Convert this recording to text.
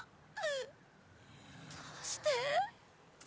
どうして？